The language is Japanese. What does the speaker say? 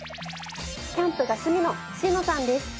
キャンプが趣味の椎野さんです。